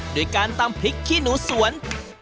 ด้วยการตำพริกขี้หนูสวน